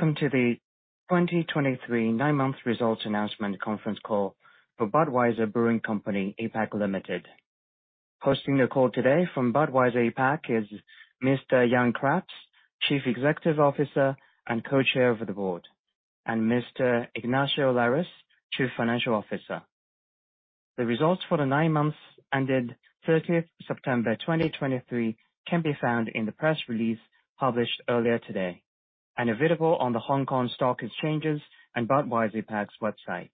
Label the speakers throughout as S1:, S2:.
S1: Welcome to the 2023 nine-month results announcement conference call for Budweiser Brewing Company APAC Limited. Hosting the call today from Budweiser APAC is Mr. Jan Craps, Chief Executive Officer and Co-Chair of the Board, and Mr. Ignacio Lares, Chief Financial Officer. The results for the nine months ended 30 September 2023 can be found in the press release published earlier today, and available on the Hong Kong Stock Exchange and Budweiser APAC's website.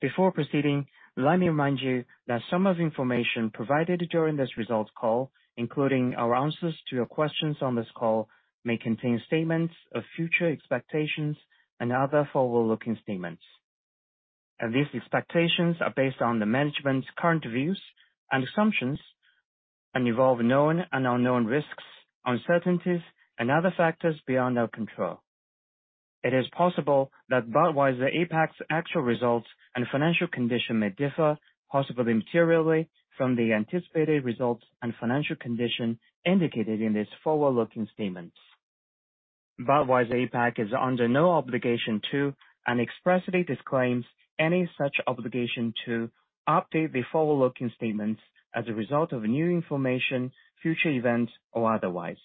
S1: Before proceeding, let me remind you that some of the information provided during this results call, including our answers to your questions on this call, may contain statements of future expectations and other forward-looking statements. These expectations are based on the management's current views and assumptions, and involve known and unknown risks, uncertainties, and other factors beyond our control. It is possible that Budweiser APAC's actual results and financial condition may differ, possibly materially, from the anticipated results and financial condition indicated in these forward-looking statements. Budweiser APAC is under no obligation to, and expressly disclaims any such obligation to, update the forward-looking statements as a result of new information, future events, or otherwise.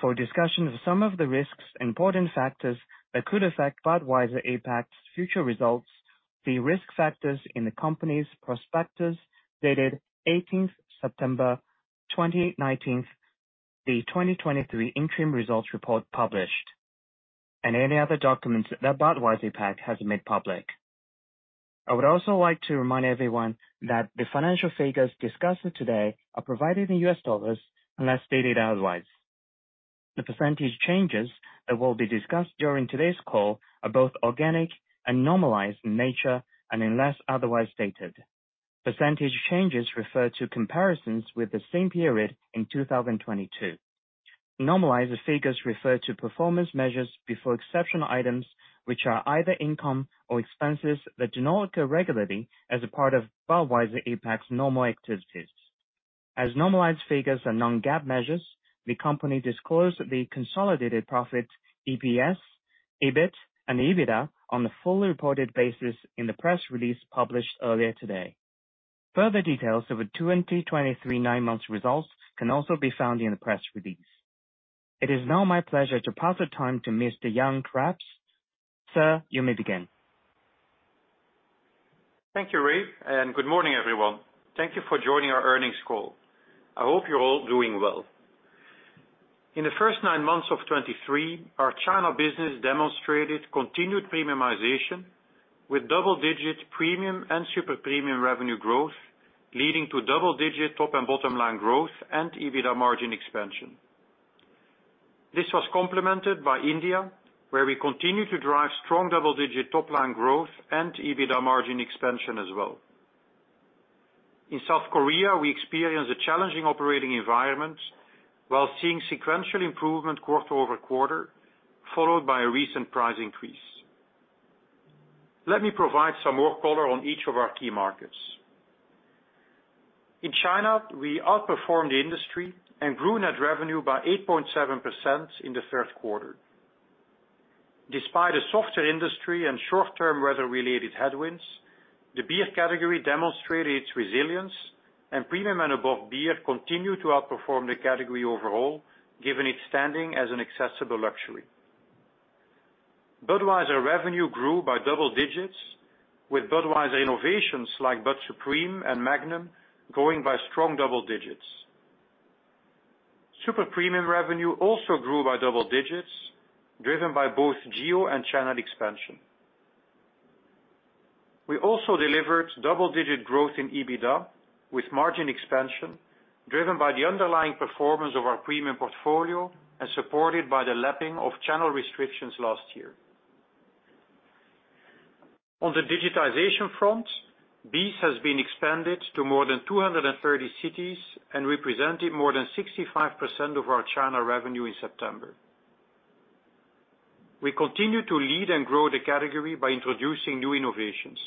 S1: For a discussion of some of the risks and important factors that could affect Budweiser APAC's future results, the risk factors in the company's prospectus, dated 18 September 2019, the 2023 interim results report published, and any other documents that Budweiser APAC has made public. I would also like to remind everyone that the financial figures discussed today are provided in U.S. dollars, unless stated otherwise. The percentage changes that will be discussed during today's call are both organic and normalized in nature, and unless otherwise stated. Percentage changes refer to comparisons with the same period in 2022. Normalized figures refer to performance measures before exceptional items, which are either income or expenses that do not occur regularly as a part of Budweiser APAC's normal activities. As normalized figures are non-GAAP measures, the company disclosed the consolidated profit, EPS, EBIT and EBITDA on the fully reported basis in the press release published earlier today. Further details of the 2023 nine months results can also be found in the press release. It is now my pleasure to pass the time to Mr. Jan Craps. Sir, you may begin.
S2: Thank you, Ray, and good morning, everyone. Thank you for joining our earnings call. I hope you're all doing well. In the first nine months of 2023, our China business demonstrated continued premiumization, with double-digit premium and super-premium revenue growth, leading to double-digit top and bottom line growth and EBITDA margin expansion. This was complemented by India, where we continue to drive strong double-digit top-line growth and EBITDA margin expansion as well. In South Korea, we experienced a challenging operating environment while seeing sequential improvement quarter-over-quarter, followed by a recent price increase. Let me provide some more color on each of our key markets. In China, we outperformed the industry and grew net revenue by 8.7% in the third quarter. Despite a softer industry and short-term weather-related headwinds, the beer category demonstrated its resilience, and premium and above beer continued to outperform the category overall, given its standing as an accessible luxury. Budweiser revenue grew by double digits, with Budweiser innovations like Bud Supreme and Magnum growing by strong double digits. Super premium revenue also grew by double digits, driven by both geo and channel expansion. We also delivered double-digit growth in EBITDA, with margin expansion driven by the underlying performance of our premium portfolio and supported by the lapping of channel restrictions last year. On the digitization front, BEES has been expanded to more than 230 cities and represented more than 65% of our China revenue in September. We continue to lead and grow the category by introducing new innovations.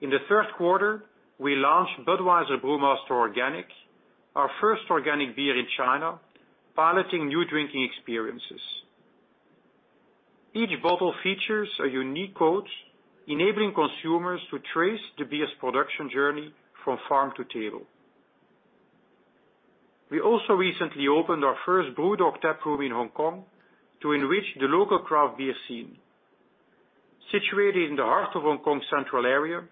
S2: In the third quarter, we launched Budweiser Brewmaster Organic, our first organic beer in China, piloting new drinking experiences. Each bottle features a unique code, enabling consumers to trace the beer's production journey from farm to table. We also recently opened our first BrewDog tap room in Hong Kong to enrich the local craft beer scene. Situated in the heart of Hong Kong's Central Area,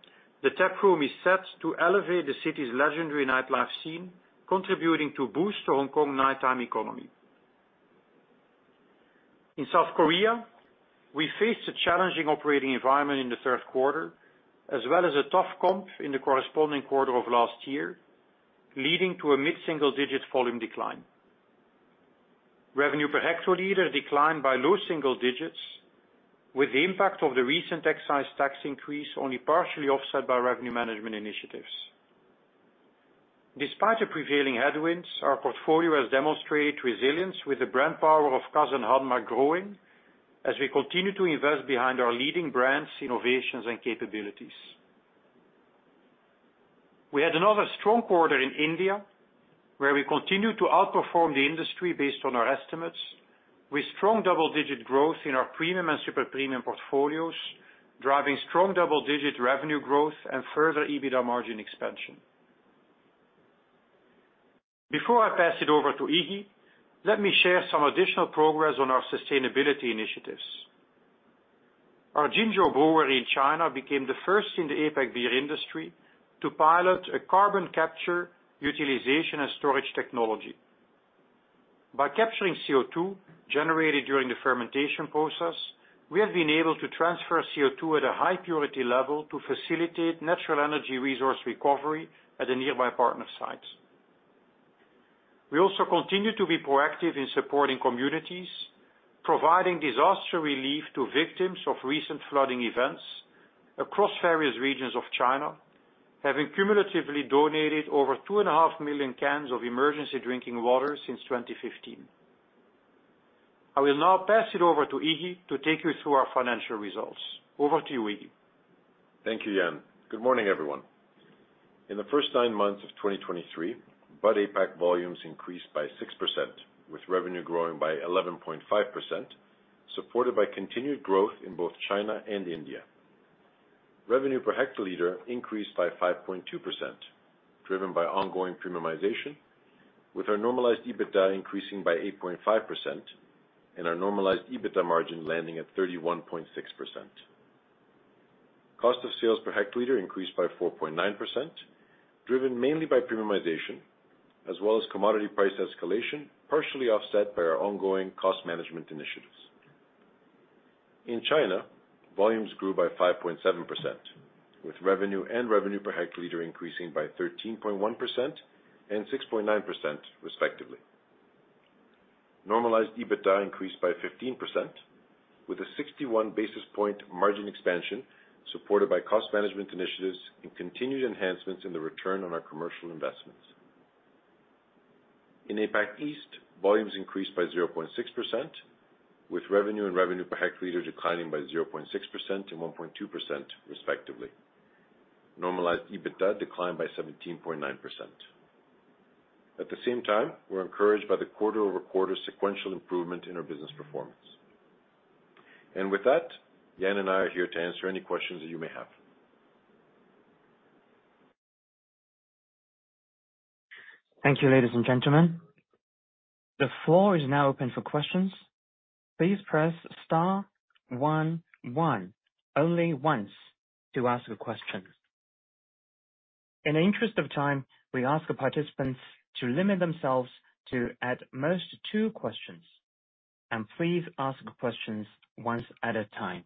S2: the tap room is set to elevate the city's legendary nightlife scene, contributing to boost the Hong Kong nighttime economy. In South Korea, we faced a challenging operating environment in the third quarter, as well as a tough comp in the corresponding quarter of last year, leading to a mid-single-digit volume decline. Revenue per hectoliter declined by low-single-digits, with the impact of the recent excise tax increase only partially offset by revenue management initiatives. Despite the prevailing headwinds, our portfolio has demonstrated resilience with the brand power of Cass and Hanmac growing as we continue to invest behind our leading brands, innovations, and capabilities.... We had another strong quarter in India, where we continued to outperform the industry based on our estimates, with strong double-digit growth in our premium and super premium portfolios, driving strong double-digit revenue growth and further EBITDA margin expansion. Before I pass it over to Iggy, let me share some additional progress on our sustainability initiatives. Our Jing-A Brewing Co. in China became the first in the APAC beer industry to pilot a carbon capture, utilization, and storage technology. By capturing CO2 generated during the fermentation process, we have been able to transfer CO2 at a high purity level to facilitate natural energy resource recovery at a nearby partner site. We also continue to be proactive in supporting communities, providing disaster relief to victims of recent flooding events across various regions of China, having cumulatively donated over 2.5 million cans of emergency drinking water since 2015. I will now pass it over to Iggy to take you through our financial results. Over to you, Iggy.
S3: Thank you, Jan. Good morning, everyone. In the first nine months of 2023, Bud APAC volumes increased by 6%, with revenue growing by 11.5%, supported by continued growth in both China and India. Revenue per hectoliter increased by 5.2%, driven by ongoing premiumization, with our normalized EBITDA increasing by 8.5% and our normalized EBITDA margin landing at 31.6%. Cost of sales per hectoliter increased by 4.9%, driven mainly by premiumization, as well as commodity price escalation, partially offset by our ongoing cost management initiatives. In China, volumes grew by 5.7%, with revenue and revenue per hectoliter increasing by 13.1% and 6.9%, respectively. Normalized EBITDA increased by 15%, with a 61 basis points margin expansion, supported by cost management initiatives and continued enhancements in the return on our commercial investments. In APAC East, volumes increased by 0.6%, with revenue and revenue per hectoliter declining by 0.6% and 1.2%, respectively. Normalized EBITDA declined by 17.9%. At the same time, we're encouraged by the quarter-over-quarter sequential improvement in our business performance. With that, Jan and I are here to answer any questions that you may have.
S1: Thank you, ladies and gentlemen. The floor is now open for questions. Please press star one one only once to ask a question. In the interest of time, we ask the participants to limit themselves to, at most, two questions, and please ask questions once at a time.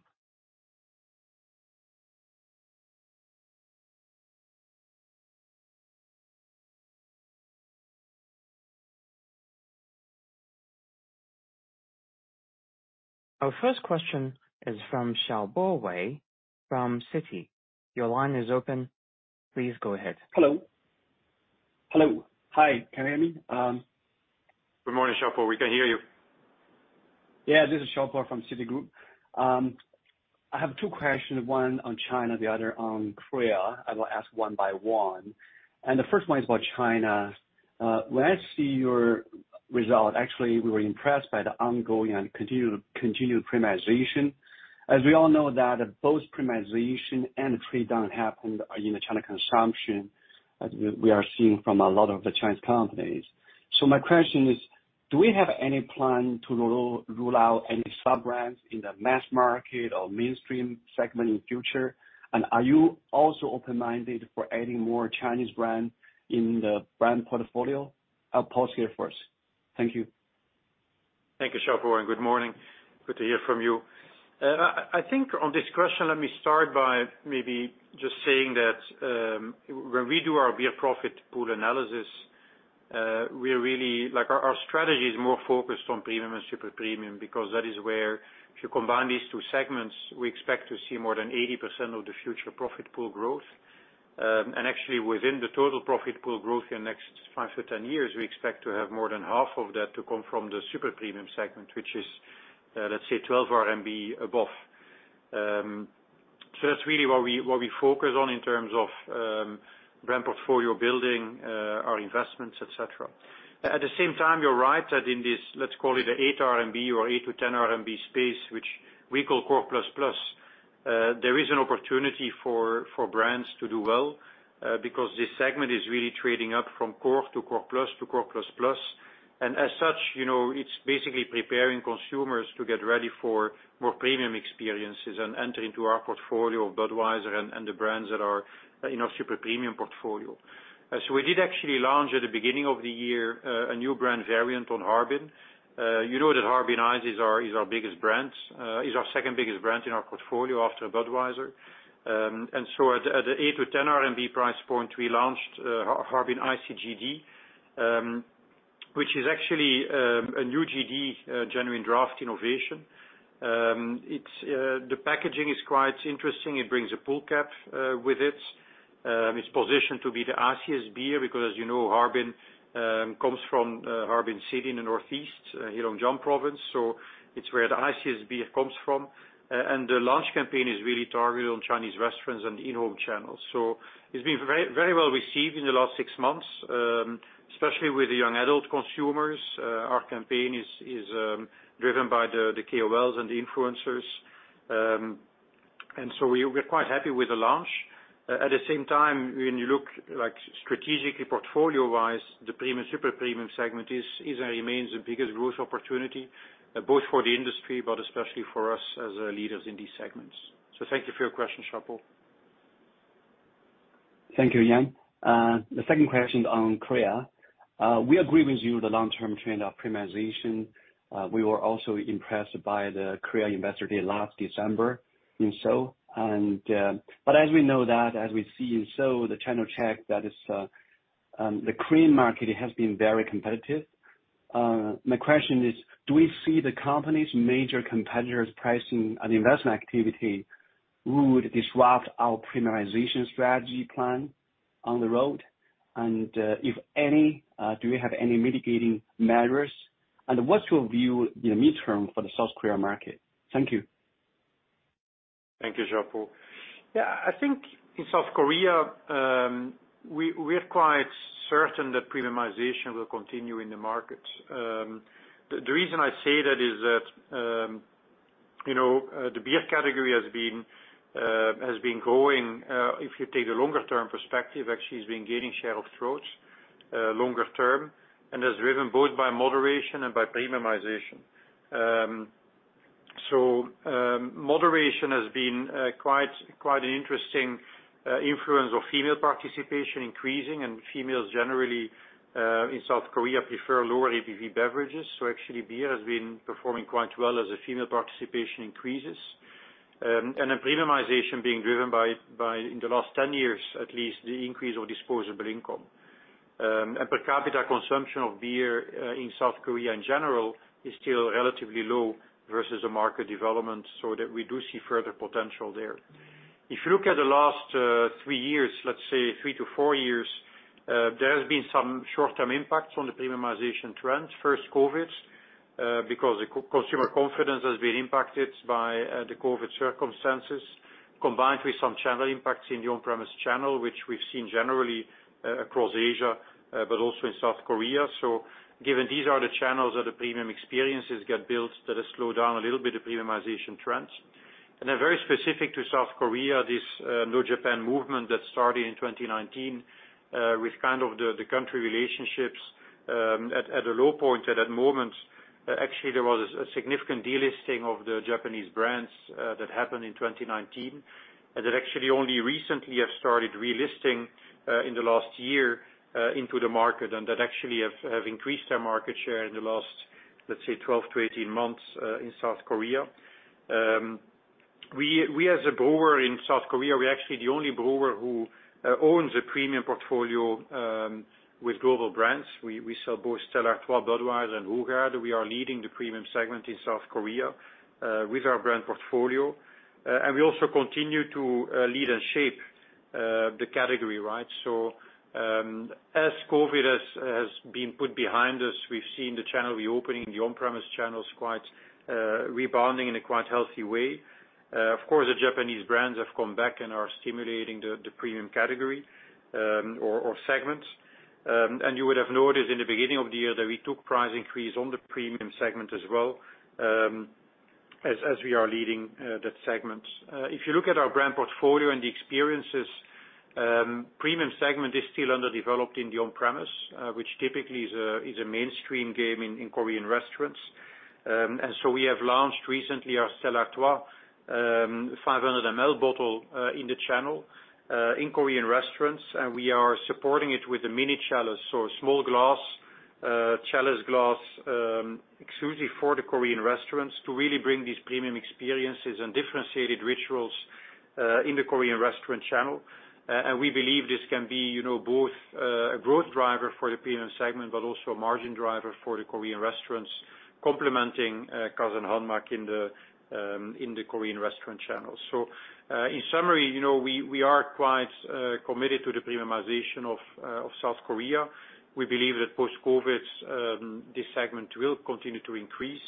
S1: Our first question is from Xiaopo Wei from Citi. Your line is open. Please go ahead.
S4: Hello? Hello. Hi, can you hear me?
S3: Good morning, Xiaopo. We can hear you.
S4: Yeah, this is Xiaopo from Citigroup. I have two questions, one on China, the other on Korea. I will ask one by one, and the first one is about China. When I see your result, actually, we were impressed by the ongoing and continued premiumization. As we all know that both premiumization and trade down happened in the China consumption, as we are seeing from a lot of the Chinese companies. So my question is: do we have any plan to rule out any sub-brands in the mass market or mainstream segment in future? And are you also open-minded for adding more Chinese brand in the brand portfolio? I'll pause here first. Thank you.
S2: Thank you, Xiaopo, and good morning. Good to hear from you. I, I think on this question, let me start by maybe just saying that, when we do our beer profit pool analysis, we're really... Like, our, our strategy is more focused on premium and super premium, because that is where, if you combine these two segments, we expect to see more than 80% of the future profit pool growth. And actually, within the total profit pool growth in the next five to 10 years, we expect to have more than half of that to come from the super premium segment, which is, let's say, 12 RMB above. So that's really what we, what we focus on in terms of, brand portfolio building, our investments, et cetera. At the same time, you're right that in this, let's call it, 8 RMB or 8- 10 RMB space, which we call Core Plus Plus, there is an opportunity for brands to do well, because this segment is really trading up from core to core plus to Core Plus Plus. And as such, you know, it's basically preparing consumers to get ready for more premium experiences and enter into our portfolio of Budweiser and the brands that are in our super premium portfolio. So we did actually launch, at the beginning of the year, a new brand variant on Harbin. You know that Harbin Ice is our second biggest brand in our portfolio after Budweiser. And so at the 8- 10 RMB price point, we launched Harbin Ice GD, which is actually a new GD, Genuine Draft innovation. It's the packaging is quite interesting. It brings a pull cap with it. It's positioned to be the iciest beer, because, as you know, Harbin comes from Harbin City in the Northeast, Heilongjiang Province. So it's where the iciest beer comes from. And the launch campaign is really targeted on Chinese restaurants and in-home channels. So it's been very, very well received in the last six months, especially with the young adult consumers. Our campaign is driven by the KOLs and the influencers. And so we're quite happy with the launch. At the same time, when you look, like, strategically, portfolio-wise, the premium, super premium segment is and remains the biggest growth opportunity, both for the industry, but especially for us as leaders in these segments. So thank you for your question, Xiaopo.
S4: Thank you, Jan. The second question on Korea. We agree with you, the long-term trend of premiumization. We were also impressed by the Korea Investor Day last December in Seoul. And, but as we know that as we see in Seoul, the channel check, that is, the Korean market has been very competitive. My question is, do we see the company's major competitors pricing and investment activity would disrupt our premiumization strategy plan on the road? And, if any, do we have any mitigating measures? And what's your view in the midterm for the South Korea market? Thank you.
S2: Thank you, Xiaopo. Yeah, I think in South Korea, we, we're quite certain that premiumization will continue in the market. The reason I say that is that, you know, the beer category has been growing, if you take a longer term perspective, actually has been gaining share of throats, longer term, and is driven both by moderation and by premiumization. So, moderation has been quite an interesting influence of female participation increasing, and females generally in South Korea prefer lower ABV beverages. So actually, beer has been performing quite well as the female participation increases. And then premiumization being driven by in the last 10 years, at least, the increase of disposable income. And Per capita consumption of beer in South Korea in general is still relatively low versus the market development, so that we do see further potential there. If you look at the last three years, let's say three to four years, there has been some short-term impacts on the premiumization trends. First, COVID, because the consumer confidence has been impacted by the COVID circumstances, combined with some channel impacts in the on-premise channel, which we've seen generally across Asia but also in South Korea. So given these are the channels that the premium experiences get built, that has slowed down a little bit of premiumization trends. And then very specific to South Korea, this No Japan movement that started in 2019 with kind of the country relationships at a low point at that moment. Actually, there was a significant delisting of the Japanese brands that happened in 2019, and that actually only recently have started relisting in the last year into the market, and that actually have increased their market share in the last, let's say, 12-18 months in South Korea. We as a brewer in South Korea, we're actually the only brewer who owns a premium portfolio with global brands. We sell both Stella Artois, Budweiser and Hoegaarden. We are leading the premium segment in South Korea with our brand portfolio. And we also continue to lead and shape the category, right? So, as COVID has been put behind us, we've seen the channel reopening, the on-premise channels quite rebounding in a quite healthy way. Of course, the Japanese brands have come back and are stimulating the premium category or segment. And you would have noticed in the beginning of the year that we took price increase on the premium segment as well, as we are leading that segment. If you look at our brand portfolio and the experiences, premium segment is still underdeveloped in the on-premise, which typically is a mainstream game in Korean restaurants. And so we have launched recently our Stella Artois 500 ml bottle in the channel in Korean restaurants, and we are supporting it with a mini chalice. So small glass chalice glass exclusively for the Korean restaurants to really bring these premium experiences and differentiated rituals in the Korean restaurant channel. And we believe this can be, you know, both a growth driver for the premium segment, but also a margin driver for the Korean restaurants, complementing Cass and Hanmac in the Korean restaurant channel. So, in summary, you know, we, we are quite committed to the premiumization of South Korea. We believe that post-COVID, this segment will continue to increase,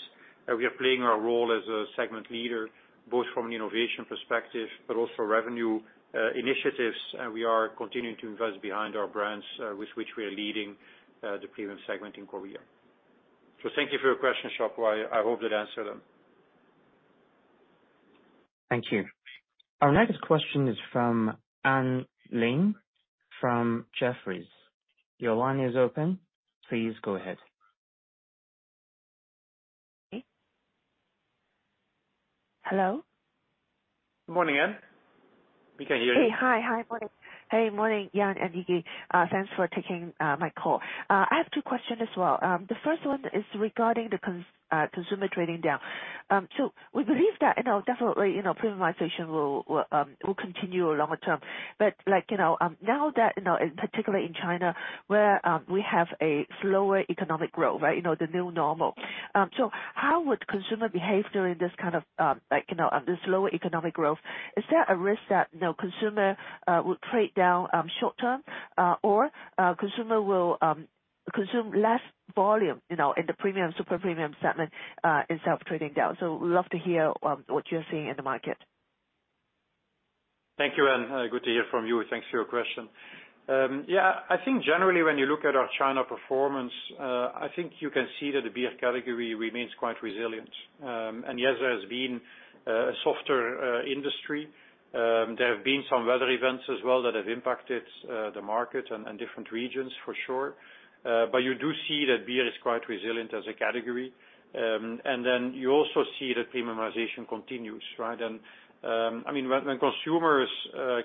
S2: and we are playing our role as a segment leader, both from an innovation perspective, but also revenue initiatives. And we are continuing to invest behind our brands, with which we are leading the premium segment in Korea. So thank you for your question, Xiaopo. I, I hope that answered them.
S1: Thank you. Our next question is from Anne Ling from Jefferies. Your line is open. Please go ahead.
S5: Hello?
S2: Good morning, Anne. We can hear you.
S5: Hey, hi. Hi, morning. Hey, morning, Jan and Iggy. Thanks for taking my call. I have two questions as well. The first one is regarding consumer trading down. So we believe that, you know, definitely, you know, premiumization will continue longer term. But, like, you know, now that, you know, particularly in China, where we have a slower economic growth, right? You know, the new normal. So how would consumer behave during this kind of, like, you know, this slower economic growth? Is there a risk that, you know, consumer will trade down short term, or consumer will consume less volume, you know, in the premium, super premium segment, is self trading down. So we'd love to hear what you're seeing in the market.
S2: Thank you, Anne. Good to hear from you. Thanks for your question. Yeah, I think generally when you look at our China performance, I think you can see that the beer category remains quite resilient. And yes, there has been a softer industry. There have been some weather events as well that have impacted the market and different regions for sure. But you do see that beer is quite resilient as a category. And then you also see that premiumization continues, right? And I mean, when consumers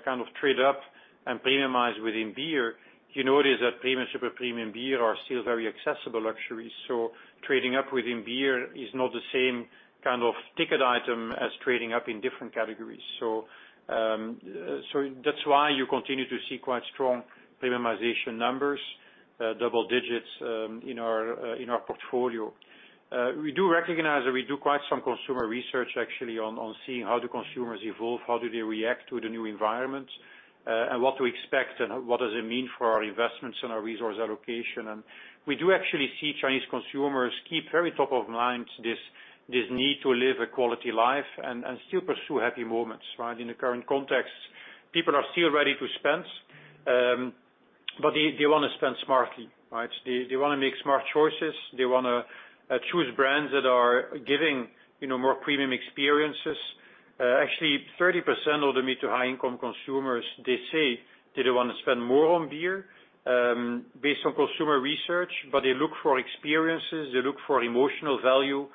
S2: kind of trade up and premiumize within beer, you notice that premium, super premium beer are still very accessible luxuries. So trading up within beer is not the same kind of ticket item as trading up in different categories. So that's why you continue to see quite strong premiumization numbers, double digits, in our portfolio. We do recognize that we do quite some consumer research actually on seeing how do consumers evolve, how do they react to the new environment, and what do we expect and what does it mean for our investments and our resource allocation. And we do actually see Chinese consumers keep very top of mind this need to live a quality life and still pursue happy moments, right? In the current context, people are still ready to spend, but they wanna spend smartly, right? They wanna make smart choices. They wanna choose brands that are giving, you know, more premium experiences. Actually, 30% of the mid- to high-income consumers, they say that they want to spend more on beer, based on consumer research, but they look for experiences, they look for emotional value,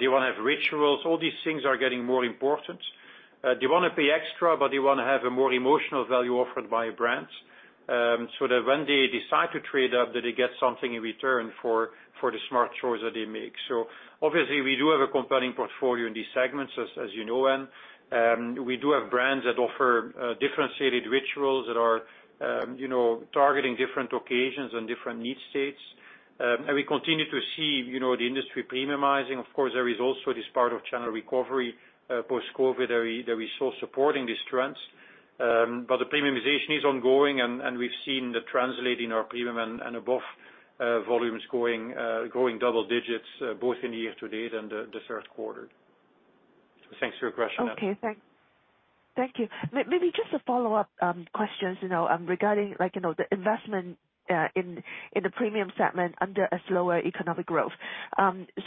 S2: they wanna have rituals. All these things are getting more important. They wanna pay extra, but they wanna have a more emotional value offered by brands, so that when they decide to trade up, that they get something in return for the smart choice that they make. So obviously, we do have a compelling portfolio in these segments, as you know, Anne. We do have brands that offer differentiated rituals that are, you know, targeting different occasions and different need states. And we continue to see, you know, the industry premiumizing. Of course, there is also this part of China recovery, post-COVID, that we, that we saw supporting this trend. But the premiumization is ongoing, and, and we've seen that translate in our premium and, and above, volumes growing, growing double digits, both in the year to date and the, the third quarter. Thanks for your question, Anne.
S5: Okay, thank you. Maybe just a follow-up question, you know, regarding, like, you know, the investment in the premium segment under a slower economic growth.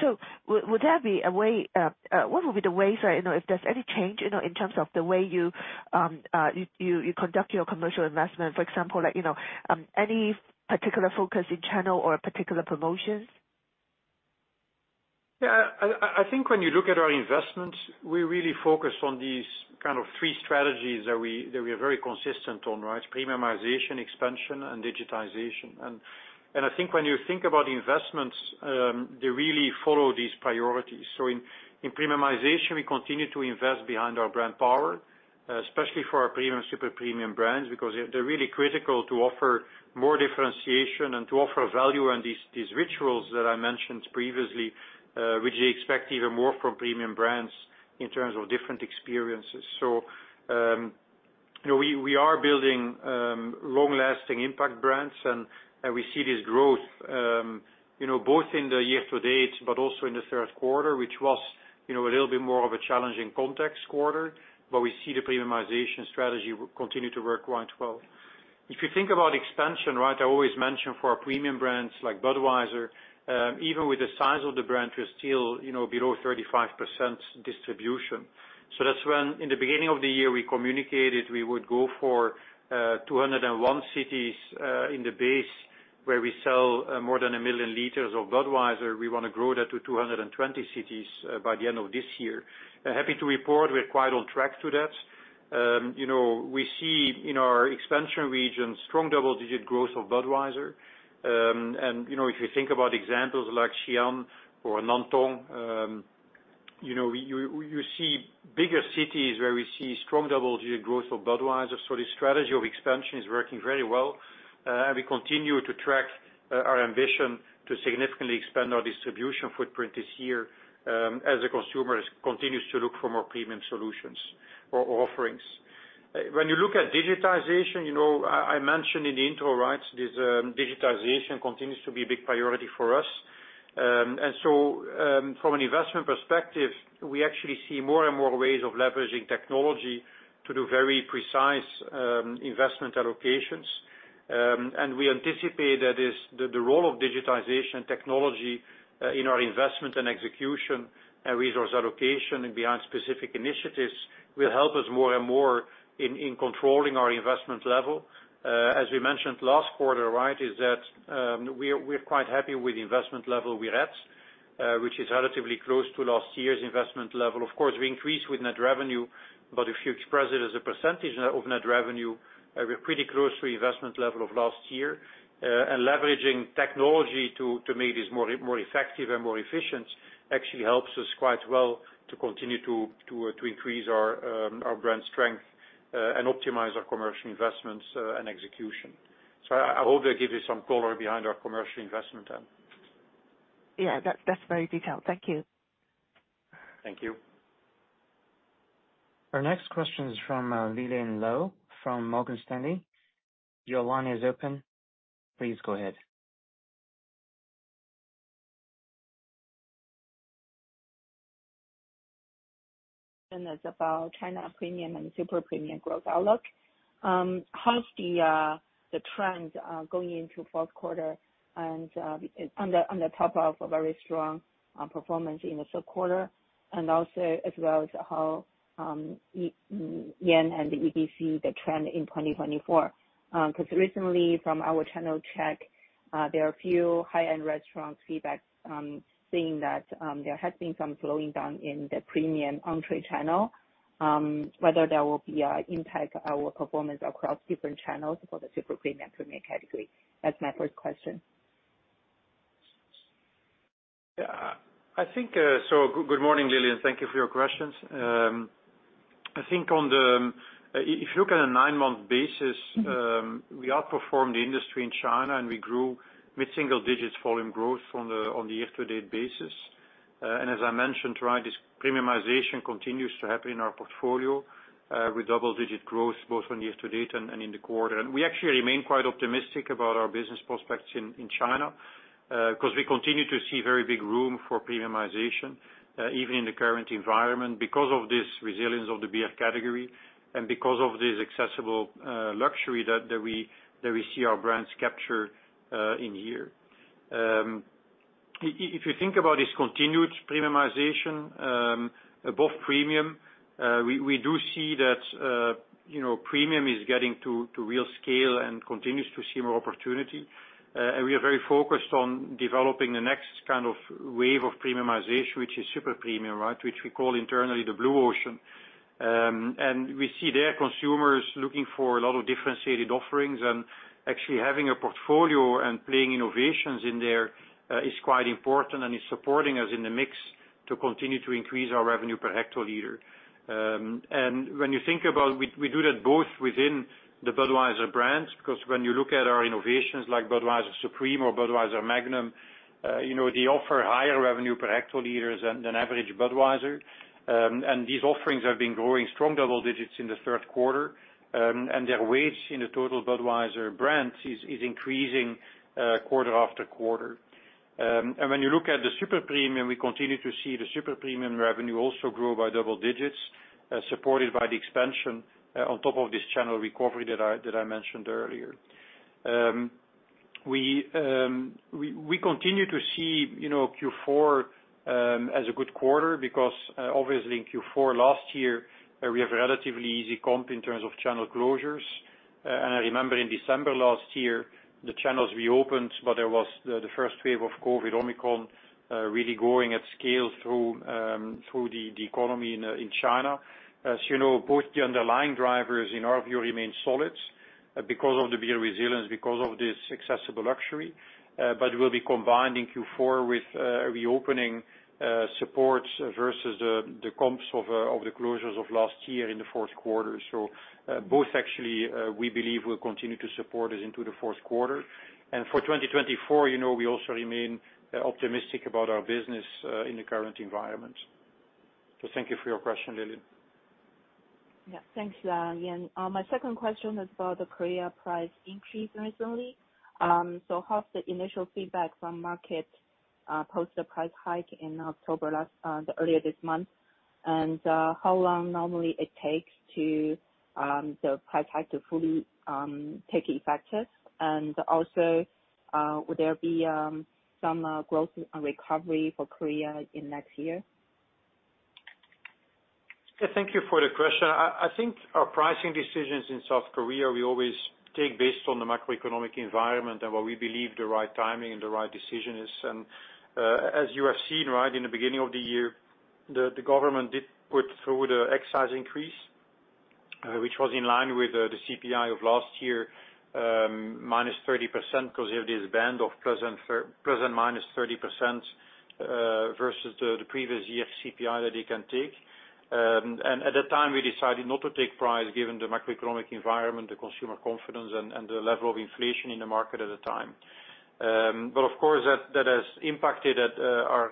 S5: So would there be a way, what would be the ways, right, you know, if there's any change, you know, in terms of the way you conduct your commercial investment, for example, like, you know, any particular focus in channel or particular promotions?
S2: Yeah. I think when you look at our investments, we really focus on these kind of three strategies that we are very consistent on, right? Premiumization, expansion, and digitization. And I think when you think about the investments, they really follow these priorities. So in Premiumization, we continue to invest behind our brand power, especially for our premium, super premium brands, because they're really critical to offer more differentiation and to offer value on these rituals that I mentioned previously, which they expect even more from premium brands in terms of different experiences. So, you know, we are building long lasting impact brands, and we see this growth, you know, both in the year to date, but also in the third quarter, which was, you know, a little bit more of a challenging context quarter. But we see the premiumization strategy continue to work quite well. If you think about expansion, right, I always mention for our premium brands, like Budweiser, even with the size of the brand, we're still, you know, below 35% distribution. So that's when in the beginning of the year, we communicated we would go for 201 cities in the base, where we sell more than 1 million liters of Budweiser. We wanna grow that to 220 cities by the end of this year. Happy to report we're quite on track to that. You know, we see in our expansion regions, strong double-digit growth of Budweiser. And, you know, if you think about examples like Xi'an or Nantong, you know, you see bigger cities where we see strong double-digit growth of Budweiser. The strategy of expansion is working very well, and we continue to track our ambition to significantly expand our distribution footprint this year, as the consumers continues to look for more premium solutions or offerings. When you look at digitization, you know, I mentioned in the intro, right, this digitization continues to be a big priority for us. From an investment perspective, we actually see more and more ways of leveraging technology to do very precise investment allocations. We anticipate that the role of digitization technology in our investment and execution and resource allocation and beyond specific initiatives will help us more and more in controlling our investment level. As we mentioned last quarter, right, we're quite happy with the investment level we're at, which is relatively close to last year's investment level. Of course, we increased with net revenue, but if you express it as a percentage of net revenue, we're pretty close to the investment level of last year. And leveraging technology to make this more effective and more efficient actually helps us quite well to continue to increase our brand strength and optimize our commercial investments and execution. So I hope that gives you some color behind our commercial investment then.
S5: Yeah, that, that's very detailed. Thank you.
S2: Thank you....
S1: Our next question is from Lillian Lou from Morgan Stanley. Your line is open. Please go ahead.
S6: It's about China premium and super premium growth outlook. How's the trends going into fourth quarter and on the top of a very strong performance in the third quarter? Also, as well as how Jan and the ABC, the trend in 2024. 'Cause recently from our channel check, there are a few high-end restaurant feedbacks saying that there has been some slowing down in the premium entree channel, whether there will be a impact our performance across different channels for the super premium, premium category. That's my first question.
S2: Yeah. I think. So good morning, Lillian, thank you for your questions. I think on the, if you look at a nine-month basis-
S6: Mm-hmm.
S2: We outperformed the industry in China, and we grew mid-single digits volume growth on the year-to-date basis. And as I mentioned, right, this premiumization continues to happen in our portfolio, with double-digit growth both on year-to-date and in the quarter. And we actually remain quite optimistic about our business prospects in China, 'cause we continue to see very big room for premiumization, even in the current environment. Because of this resilience of the beer category, and because of this accessible luxury that we see our brands capture in here. If you think about this continued premiumization, above premium, we do see that, you know, premium is getting to real scale and continues to see more opportunity. We are very focused on developing the next kind of wave of premiumization, which is super premium, right? We call it internally the Blue Ocean. We see their consumers looking for a lot of differentiated offerings. Actually having a portfolio and playing innovations in there is quite important and is supporting us in the mix to continue to increase our revenue per hectoliter. When you think about... We do that both within the Budweiser brands, because when you look at our innovations like Budweiser Supreme or Budweiser Magnum, you know, they offer higher revenue per hectoliter than average Budweiser. These offerings have been growing strong double digits in the third quarter. Their weight in the total Budweiser brands is increasing quarter after quarter. And when you look at the super premium, we continue to see the super premium revenue also grow by double digits, supported by the expansion on top of this channel recovery that I mentioned earlier. We continue to see, you know, Q4 as a good quarter, because obviously in Q4 last year, we have a relatively easy comp in terms of channel closures. And I remember in December last year, the channels reopened, but there was the first wave of COVID Omicron really growing at scale through the economy in China. As you know, both the underlying drivers, in our view, remain solid, because of the beer resilience, because of this accessible luxury. But will be combined in Q4 with reopening supports versus the comps of the closures of last year in the fourth quarter. So, both actually we believe will continue to support us into the fourth quarter. And for 2024, you know, we also remain optimistic about our business in the current environment. So thank you for your question, Lillian.
S6: Yeah. Thanks, again. My second question is about the Korea price increase recently. So how's the initial feedback from market post the price hike in October last, the earlier this month? And, how long normally it takes to the price hike to fully take effect? And also, will there be some growth and recovery for Korea in next year?
S5: Thank you for the question. I think our pricing decisions in South Korea, we always take based on the macroeconomic environment and what we believe the right timing and the right decision is. And, as you have seen, in the beginning of the year, the government did put through the excise increase, which was in line with the CPI of last year, minus 30%, because you have this band of plus and minus 30%, versus the previous year's CPI that you can take. And at that time, we decided not to take price, given the macroeconomic environment, the consumer confidence and the level of inflation in the market at the time.
S2: But of course, that has impacted our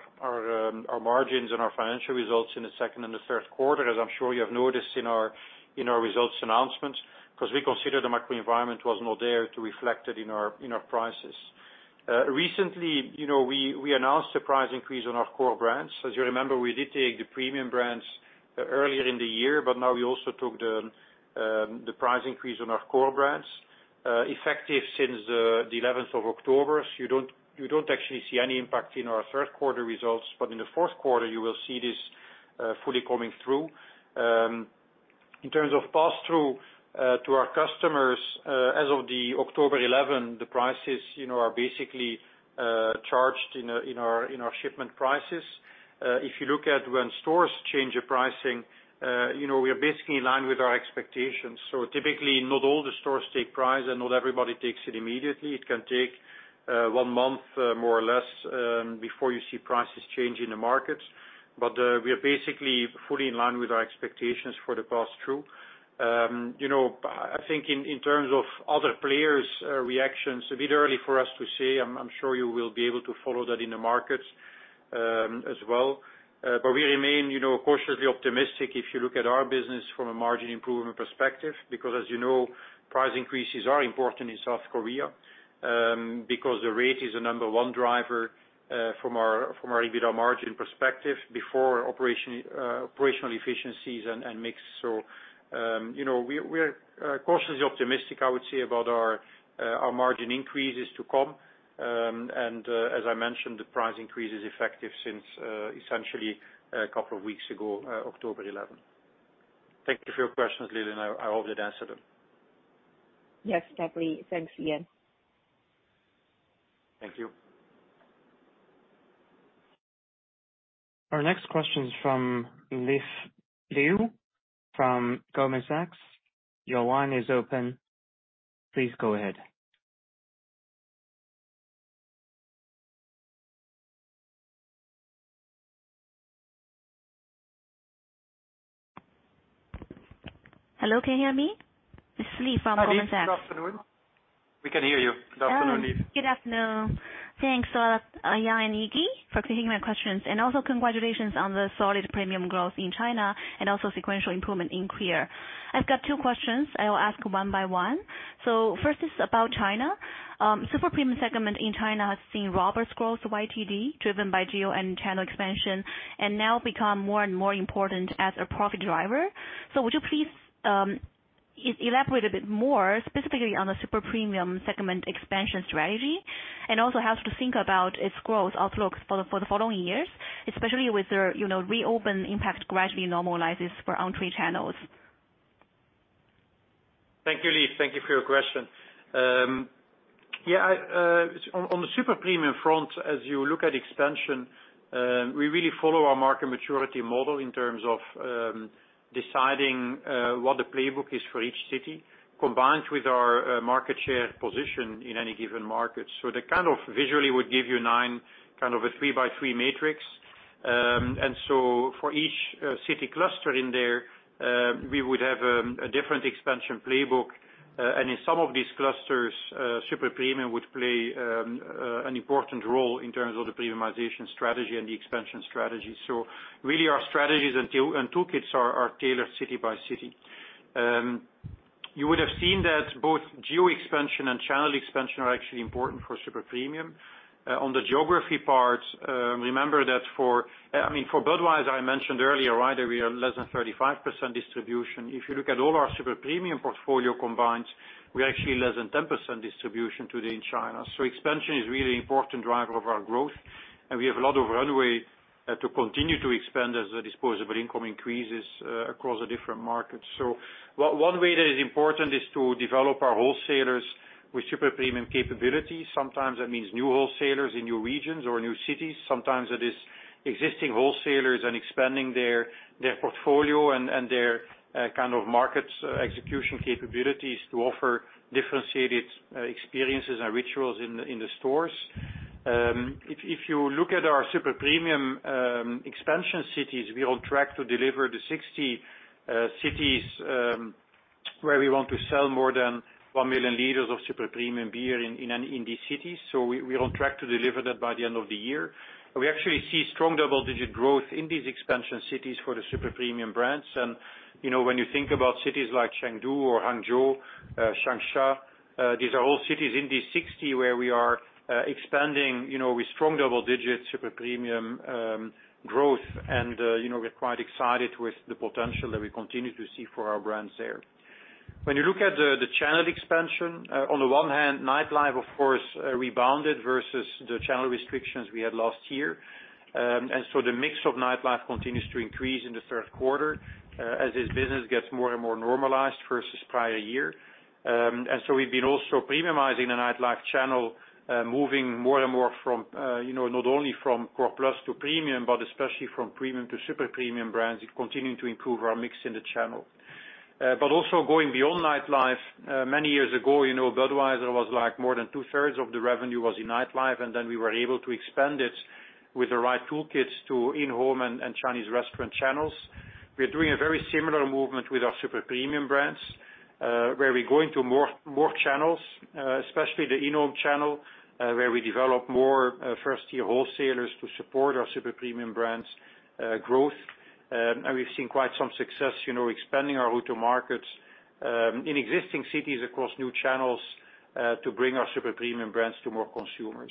S2: margins and our financial results in the second and the third quarter, as I'm sure you have noticed in our results announcements, 'cause we consider the macro environment was not there to reflect it in our prices. Recently, you know, we announced a price increase on our core brands. As you remember, we did take the premium brands earlier in the year, but now we also took the price increase on our core brands, effective since the 11th of October. So you don't actually see any impact in our third quarter results, but in the fourth quarter, you will see this fully coming through. In terms of pass-through to our customers, as of October 11, the prices, you know, are basically charged in our shipment prices. If you look at when stores change the pricing, you know, we are basically in line with our expectations. So typically, not all the stores take price, and not everybody takes it immediately. It can take one month, more or less, before you see prices change in the market. But we are basically fully in line with our expectations for the pass-through. You know, I think in terms of other players reactions, a bit early for us to say. I'm sure you will be able to follow that in the markets as well. But we remain, you know, cautiously optimistic if you look at our business from a margin improvement perspective, because as you know, price increases are important in South Korea, because the rate is the number one driver from our EBITDA margin perspective before operational efficiencies and mix. So, you know, we're cautiously optimistic, I would say, about our margin increases to come. And, as I mentioned, the price increase is effective since essentially a couple of weeks ago, October eleventh. Thank you for your questions, Lillian. I hope that answered them.
S6: Yes, definitely. Thanks, Jan.
S2: Thank you.
S1: Our next question is from Lifeng Liu from Goldman Sachs. Your line is open. Please go ahead.
S7: Hello, can you hear me? It's Lifeng Liu from Goldman Sachs.
S2: Good afternoon. We can hear you. Good afternoon, Lifeng.
S7: Good afternoon. Thanks a lot, Jan and Iggy, for taking my questions, and also congratulations on the solid premium growth in China and also sequential improvement in Korea. I've got two questions. I will ask one by one. So first is about China. Super premium segment in China has seen robust growth YTD, driven by geo and channel expansion, and now become more and more important as a profit driver. So would you please elaborate a bit more, specifically on the super premium segment expansion strategy, and also how to think about its growth outlook for the following years, especially with the, you know, reopen impact gradually normalizes for on-trade channels?
S2: Thank you, Lifeng. Thank you for your question. Yeah, I, on the super premium front, as you look at expansion, we really follow our market maturity model in terms of, deciding, what the playbook is for each city, combined with our, market share position in any given market. So that kind of visually would give you nine, kind of a three-by-three matrix. And so for each, city cluster in there, we would have, a different expansion playbook. And in some of these clusters, super premium would play, an important role in terms of the premiumization strategy and the expansion strategy. So really, our strategies and tool, and toolkits are, are tailored city by city. You would have seen that both geo expansion and channel expansion are actually important for super premium. On the geography part, remember that for, I mean, for Budweiser, I mentioned earlier, right, we are less than 35% distribution. If you look at all our super premium portfolio combined, we're actually less than 10% distribution today in China. So expansion is a really important driver of our growth, and we have a lot of runway to continue to expand as the disposable income increases across the different markets. So one way that is important is to develop our wholesalers with super premium capabilities. Sometimes that means new wholesalers in new regions or new cities. Sometimes it is existing wholesalers and expanding their portfolio and their kind of market execution capabilities to offer differentiated experiences and rituals in the stores. If you look at our super premium expansion cities, we're on track to deliver the 60 cities where we want to sell more than 1 million liters of super premium beer in these cities. So we're on track to deliver that by the end of the year. We actually see strong double-digit growth in these expansion cities for the super premium brands. And, you know, when you think about cities like Chengdu or Hangzhou, Shanghai, these are all cities in these 60 where we are expanding, you know, with strong double digits, super premium growth. And, you know, we're quite excited with the potential that we continue to see for our brands there. When you look at the channel expansion, on the one hand, nightlife, of course, rebounded versus the channel restrictions we had last year. And so the mix of nightlife continues to increase in the third quarter, as this business gets more and more normalized versus prior year. And so we've been also premiumizing the nightlife channel, moving more and more from, you know, not only from core plus to premium, but especially from premium to super premium brands. It's continuing to improve our mix in the channel. But also going beyond nightlife, many years ago, you know, Budweiser was, like, more than two-thirds of the revenue was in nightlife, and then we were able to expand it with the right toolkits to in-home and Chinese restaurant channels. We're doing a very similar movement with our super premium brands, where we're going to more, more channels, especially the in-home channel, where we develop more, first-year wholesalers to support our super premium brands, growth. And we've seen quite some success, you know, expanding our go-to-markets, in existing cities across new channels, to bring our super premium brands to more consumers.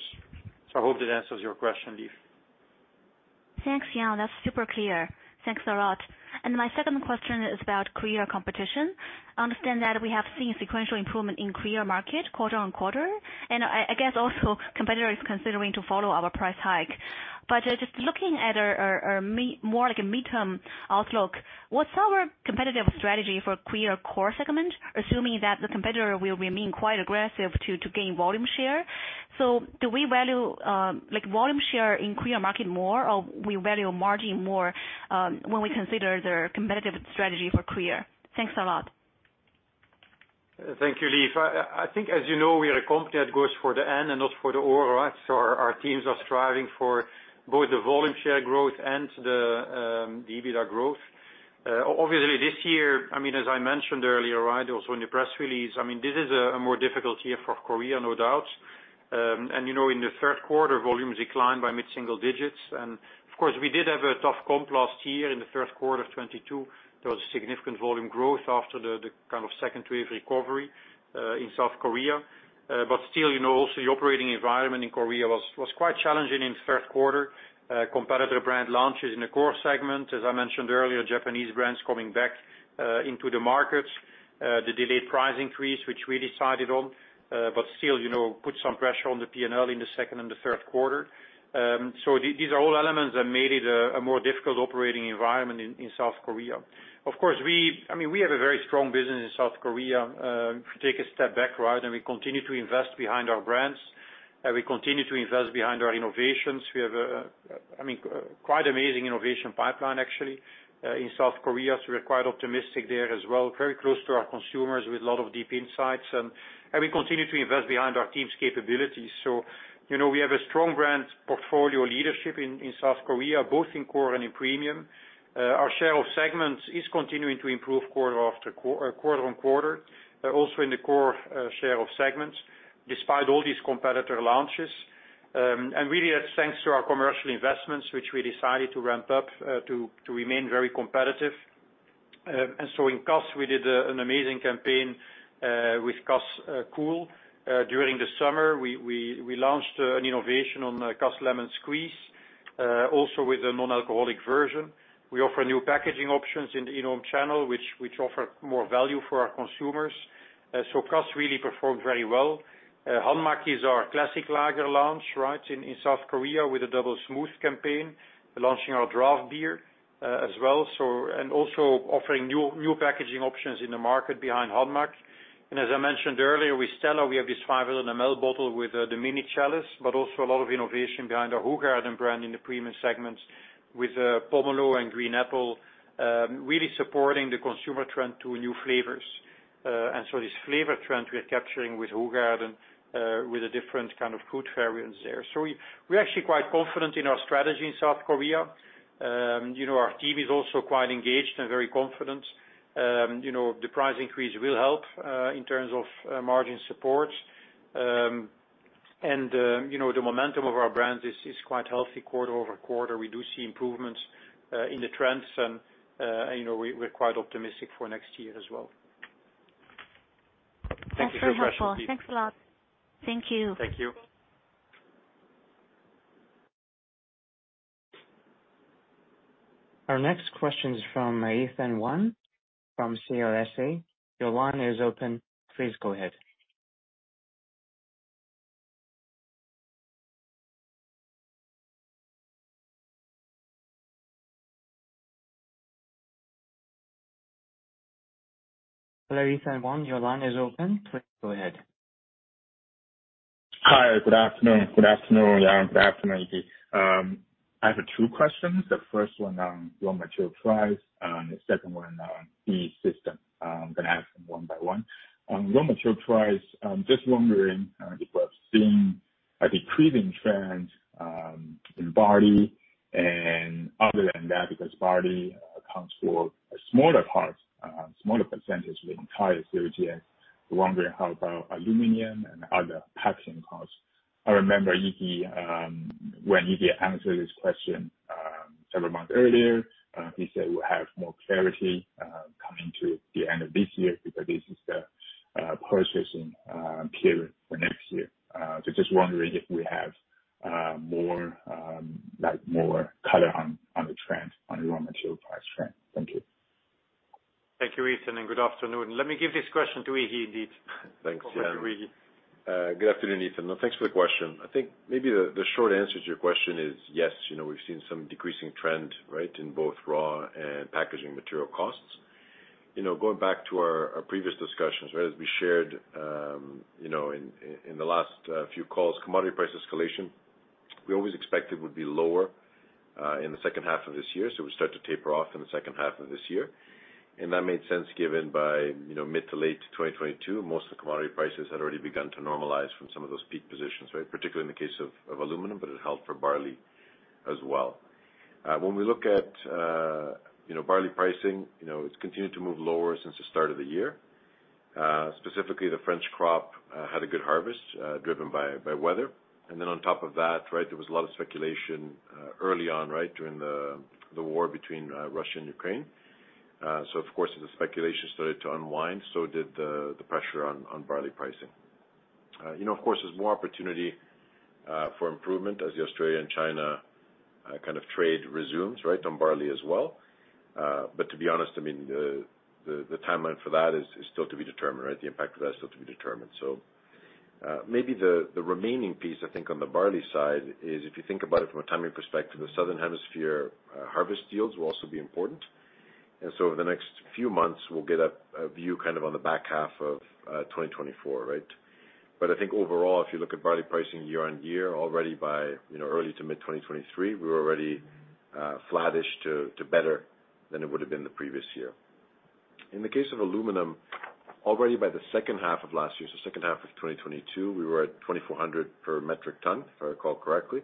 S2: So I hope that answers your question, Leaf.
S7: Thanks, Jan. That's super clear. Thanks a lot. And my second question is about clear competition. I understand that we have seen sequential improvement in clear market quarter-over-quarter, and I guess also competitors considering to follow our price hike. But just looking at more like a midterm outlook, what's our competitive strategy for clear core segment, assuming that the competitor will remain quite aggressive to gain volume share? So do we value like volume share in clear market more, or we value margin more when we consider the competitive strategy for clear? Thanks a lot....
S2: Thank you, Lifeng. I think as you know, we are a company that goes for the end and not for the all, right? So our teams are striving for both the volume share growth and the EBITDA growth. Obviously this year, I mean, as I mentioned earlier, right, also in the press release, I mean, this is a more difficult year for Korea, no doubt. And, you know, in the third quarter, volumes declined by mid-single digits. And of course, we did have a tough comp last year in the first quarter of 2022. There was significant volume growth after the kind of second wave recovery in South Korea. But still, you know, also the operating environment in Korea was quite challenging in the third quarter. Competitor brand launches in the core segment, as I mentioned earlier, Japanese brands coming back into the market, the delayed price increase, which we decided on, but still, you know, put some pressure on the P&L in the second and the third quarter. So these are all elements that made it a more difficult operating environment in South Korea. Of course, I mean, we have a very strong business in South Korea. If you take a step back, right, and we continue to invest behind our brands, and we continue to invest behind our innovations. We have a, I mean, quite amazing innovation pipeline, actually, in South Korea, so we're quite optimistic there as well. Very close to our consumers with a lot of deep insights, and we continue to invest behind our team's capabilities. So, you know, we have a strong brand portfolio leadership in South Korea, both in core and in premium. Our share of segments is continuing to improve quarter after quarter on quarter, also in the core share of segments, despite all these competitor launches. And really, that's thanks to our commercial investments, which we decided to ramp up to remain very competitive. And so in Cass, we did an amazing campaign with Cass Cool. During the summer, we launched an innovation on Cass Lemon Squeeze, also with a non-alcoholic version. We offer new packaging options in the in-home channel, which offer more value for our consumers. So Cass really performed very well. Hanmac is our classic lager launch, right, in South Korea with a Double Smooth campaign, launching our draft beer as well. Also offering new packaging options in the market behind Hanmac. As I mentioned earlier, with Stella, we have this 500 ml bottle with the mini chalice, but also a lot of innovation behind our Hoegaarden brand in the premium segments with pomelo and green apple, really supporting the consumer trend to new flavors. So this flavor trend we are capturing with Hoegaarden with a different kind of fruit variants there. So we're actually quite confident in our strategy in South Korea. You know, our team is also quite engaged and very confident. You know, the price increase will help in terms of margin support. You know, the momentum of our brands is quite healthy quarter-over-quarter. We do see improvements in the trends, and you know, we're quite optimistic for next year as well. Thank you for your question, Lifeng.
S7: That's very helpful. Thanks a lot. Thank you.
S2: Thank you.
S1: Our next question is from Yushen Wang from CLSA. Your line is open. Please go ahead. Hello, Yushen Wang, your line is open. Please go ahead.
S8: Hi, good afternoon. Good afternoon, Jan. Good afternoon, Iggy. I have two questions. The first one on raw material price, and the second one on the system. I'm gonna ask them one by one. On raw material price, I'm just wondering if we've seen a decreasing trend in barley and other than that, because barley accounts for a smaller part, a smaller percentage of the entire COGS. I'm wondering how about aluminum and other packaging costs? I remember, Iggy, when Iggy answered this question several months earlier, he said we'll have more clarity coming to the end of this year because this is the purchasing period for next year. So just wondering if we have more, like, more color on the trend, on the raw material price trend. Thank you.
S2: Thank you, Yushen, and good afternoon. Let me give this question to Iggy, indeed.
S3: Thanks, Jan.
S2: Over to you, Iggy
S3: Good afternoon, Yushen. No, thanks for the question. I think maybe the short answer to your question is yes, you know, we've seen some decreasing trend, right, in both raw and packaging material costs. You know, going back to our previous discussions, right, as we shared, you know, in the last few calls, commodity price escalation, we always expected would be lower in the second half of this year. So we start to taper off in the second half of this year, and that made sense given by, you know, mid- to late 2022, most of the commodity prices had already begun to normalize from some of those peak positions, right? Particularly in the case of aluminum, but it held for barley as well. When we look at, you know, barley pricing, you know, it's continued to move lower since the start of the year. Specifically, the French crop had a good harvest, driven by weather. And then on top of that, right, there was a lot of speculation early on, right, during the war between Russia and Ukraine. So of course, as the speculation started to unwind, so did the pressure on barley pricing. You know, of course, there's more opportunity for improvement as the Australia and China kind of trade resumes, right, on barley as well. But to be honest, I mean, the timeline for that is still to be determined, right? The impact of that is still to be determined. So, maybe the remaining piece, I think, on the barley side is, if you think about it from a timing perspective, the Southern Hemisphere harvest yields will also be important. And so over the next few months, we'll get a view kind of on the back half of 2024, right? But I think overall, if you look at barley pricing year on year, already by, you know, early to mid-2023, we're already flattish to better than it would have been the previous year. In the case of aluminum, already by the second half of last year, so second half of 2022, we were at $2,400 per metric ton, if I recall correctly.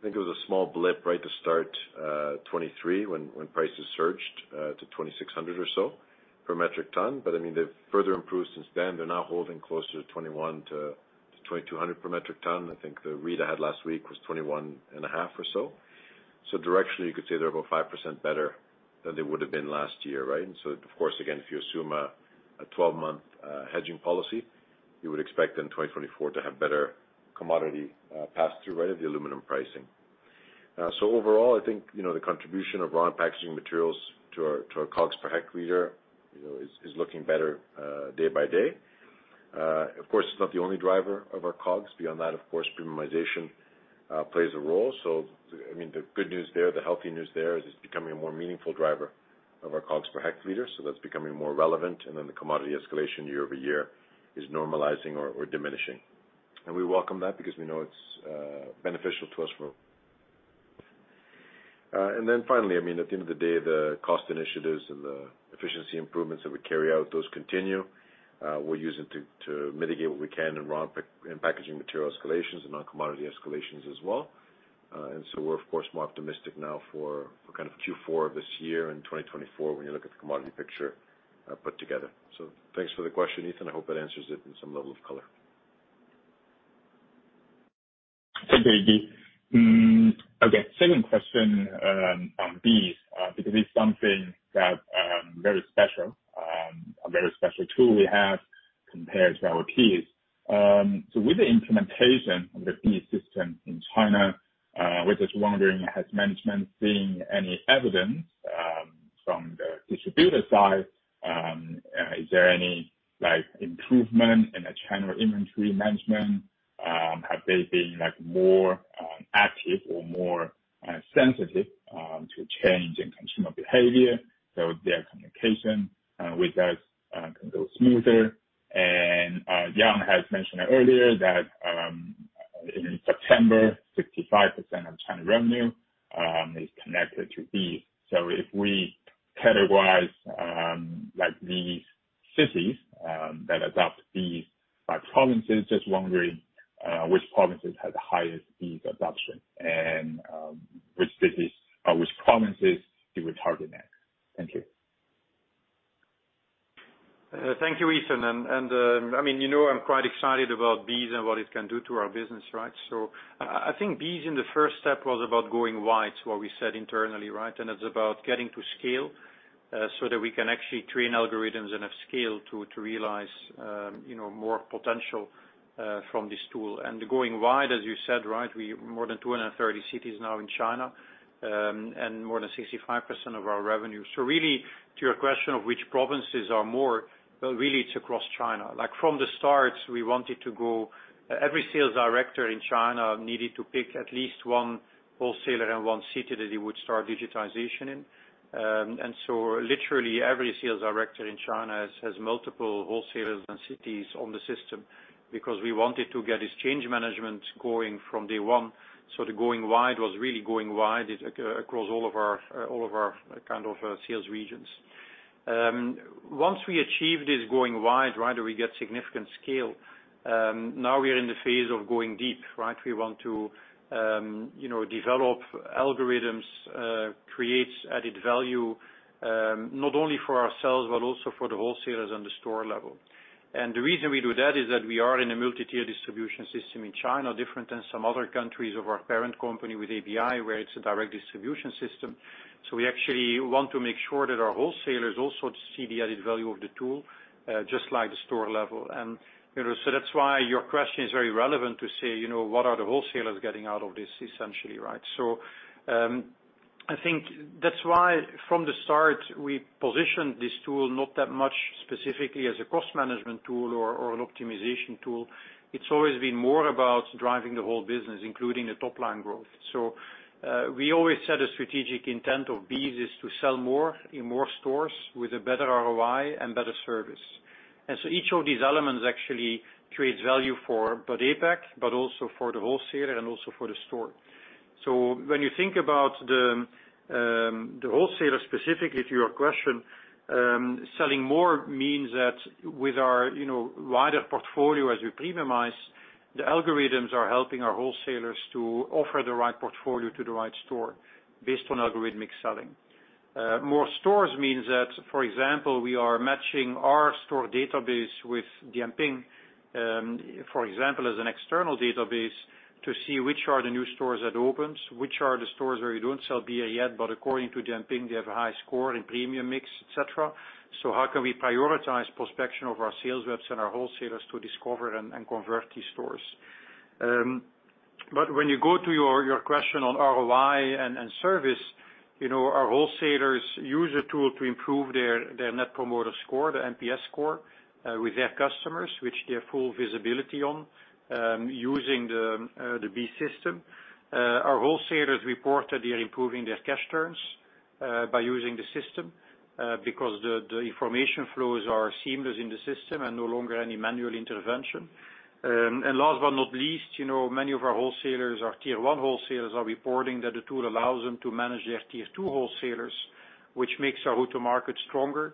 S3: I think it was a small blip, right, to start 2023 when prices surged to $2,600 or so per metric ton. I mean, they've further improved since then. They're now holding closer to $2,100-$2,200 per metric ton. I think the read I had last week was 21.5 or so. So directionally, you could say they're about 5% better than they would have been last year, right? And so, of course, again, if you assume a 12-month hedging policy, you would expect in 2024 to have better commodity pass-through, right, of the aluminum pricing. So overall, I think, you know, the contribution of raw packaging materials to our COGS per hectoliter, you know, is looking better day by day. Of course, it's not the only driver of our COGS. Beyond that, of course, premiumization plays a role. So, I mean, the good news there, the healthy news there, is it's becoming a more meaningful driver of our COGS per hectoliter, so that's becoming more relevant. And then the commodity escalation year-over-year is normalizing or diminishing. And we welcome that because we know it's beneficial to us for. And then finally, I mean, at the end of the day, the cost initiatives and the efficiency improvements that we carry out, those continue. We'll use it to mitigate what we can in packaging material escalations and on commodity escalations as well. And so we're, of course, more optimistic now for kind of Q4 this year and 2024 when you look at the commodity picture put together. So thanks for the question, Eshan. I hope that answers it in some level of color.
S8: Thank you, Iggy. Okay, second question, on these, because it's something that very special, a very special tool we have compared to our peers. So with the implementation of the BEES system in China, we're just wondering, has management seen any evidence from the distributor side? Is there any, like, improvement in the China inventory management? Have they been, like, more active or more sensitive to change in consumer behavior, so their communication with us can go smoother? And Jan has mentioned earlier that, in September, 65% of China revenue is connected to BEES. So if we categorize, like, these cities that adopt these, like, provinces, just wondering, which provinces have the highest BEES adoption and which cities, which provinces you would target next? Thank you.
S2: Thank you, Yushen I mean, you know, I'm quite excited about BEES and what it can do to our business, right? So I think BEES in the first step was about going wide, what we said internally, right? And it's about getting to scale, so that we can actually train algorithms and have scale to realize, you know, more potential from this tool. And going wide, as you said, right, we more than 230 cities now in China, and more than 65% of our revenue. So really, to your question of which provinces are more, but really, it's across China. Like, from the start, we wanted to go. Every sales director in China needed to pick at least one wholesaler in one city that he would start digitization in. So literally every sales director in China has multiple wholesalers and cities on the system because we wanted to get exchange management going from day one. So the going wide was really going wide, across all of our kind of sales regions. Once we achieved this going wide, right, we get significant scale, now we are in the phase of going deep, right? We want to, you know, develop algorithms creates added value, not only for ourselves, but also for the wholesalers on the store level. And the reason we do that is that we are in a multi-tier distribution system in China, different than some other countries of our parent company with ABI, where it's a direct distribution system. So we actually want to make sure that our wholesalers also see the added value of the tool, just like the store level. And, you know, so that's why your question is very relevant to say, you know, what are the wholesalers getting out of this, essentially, right? So, I think that's why from the start, we positioned this tool not that much specifically as a cost management tool or an optimization tool. It's always been more about driving the whole business, including the top line growth. So, we always said a strategic intent of BEES is to sell more in more stores with a better ROI and better service. And so each of these elements actually creates value for Bud APAC, but also for the wholesaler and also for the store. So when you think about the wholesaler, specifically to your question, selling more means that with our, you know, wider portfolio, as we premiumize, the algorithms are helping our wholesalers to offer the right portfolio to the right store based on algorithmic selling. More stores means that, for example, we are matching our store database with Dianping, for example, as an external database, to see which are the new stores that opens, which are the stores where you don't sell BA yet, but according to Dianping, they have a high score in premium mix, et cetera. So how can we prioritize prospection of our sales reps and our wholesalers to discover and convert these stores? But when you go to your, your question on ROI and, and service, you know, our wholesalers use the tool to improve their, their Net Promoter Score, the NPS score, with their customers, which they have full visibility on, using the, the BEES system. Our wholesalers report that they are improving their cash turns, by using the system, because the, the information flows are seamless in the system and no longer any manual intervention. And last but not least, you know, many of our wholesalers, our tier one wholesalers, are reporting that the tool allows them to manage their tier two wholesalers, which makes our go-to-market stronger,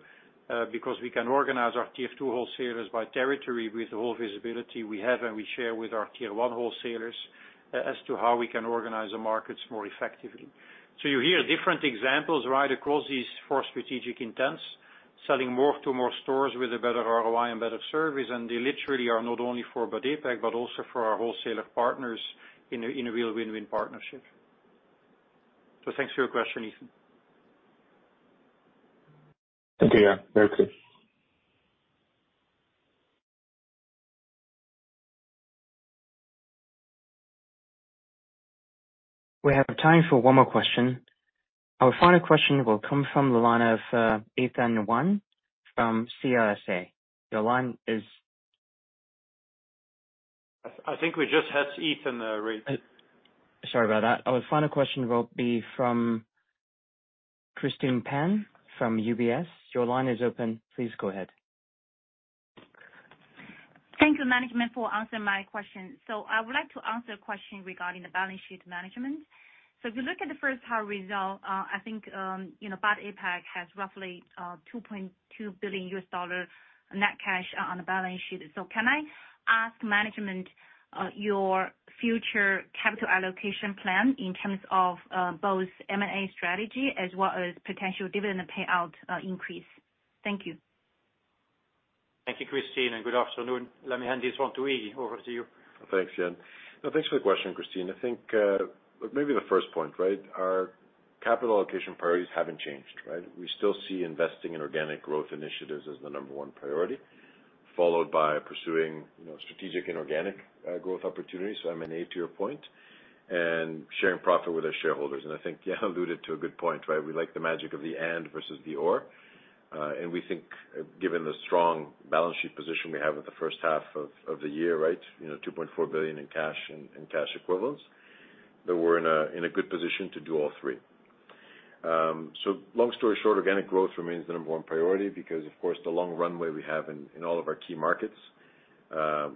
S2: because we can organize our tier two wholesalers by territory with the whole visibility we have, and we share with our tier one wholesalers, as to how we can organize the markets more effectively. So you hear different examples, right, across these four strategic intents, selling more to more stores with a better ROI and better service, and they literally are not only for Bud APAC, but also for our wholesaler partners in a real win-win partnership. So thanks for your question, Eshan.
S1: Thank you. Very clear. We have time for one more question. Our final question will come from the line of YYushen Wang from CLSA. Your line is-
S2: I think we just had Eshan already.
S1: Sorry about that. Our final question will be from Christine Peng from UBS. Your line is open. Please go ahead.
S9: Thank you, management, for answering my question. I would like to answer a question regarding the balance sheet management. If you look at the first half result, I think, you know, Bud APAC has roughly $2.2 billion net cash on the balance sheet. Can I ask management, your future capital allocation plan in terms of, both M&A strategy as well as potential dividend payout increase? Thank you.
S2: Thank you, Christine, and good afternoon. Let me hand this one to Iggy. Over to you.
S3: Thanks, Jan. No, thanks for the question, Christine. I think, maybe the first point, right? Our capital allocation priorities haven't changed, right? We still see investing in organic growth initiatives as the number one priority, followed by pursuing, you know, strategic and organic, growth opportunities, so M&A to your point, and sharing profit with our shareholders. And I think Jan alluded to a good point, right? We like the magic of the and versus the or. And we think, given the strong balance sheet position we have at the first half of the year, right, you know, $2.4 billion in cash and cash equivalents, that we're in a good position to do all three. So long story short, organic growth remains the number one priority because, of course, the long runway we have in all of our key markets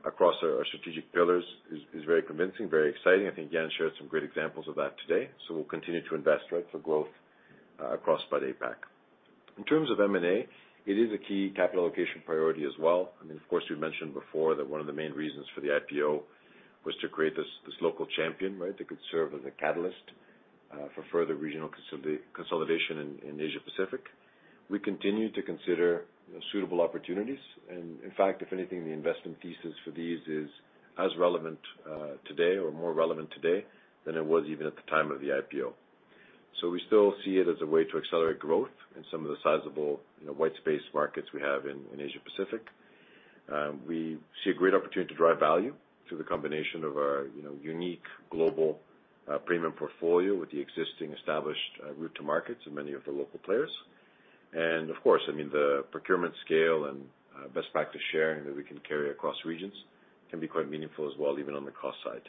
S3: across our strategic pillars is very convincing, very exciting. I think Jan shared some great examples of that today. So we'll continue to invest, right, for growth across Bud APAC. In terms of M&A, it is a key capital allocation priority as well. I mean, of course, we mentioned before that one of the main reasons for the IPO was to create this local champion, right, that could serve as a catalyst for further regional consolidation in Asia Pacific. We continue to consider suitable opportunities, and in fact, if anything, the investment thesis for these is as relevant today or more relevant today than it was even at the time of the IPO. So we still see it as a way to accelerate growth in some of the sizable, you know, white space markets we have in, in Asia Pacific. We see a great opportunity to drive value through the combination of our, you know, unique global premium portfolio with the existing established route to markets and many of the local players. And of course, I mean, the procurement scale and best practice sharing that we can carry across regions can be quite meaningful as well, even on the cost side.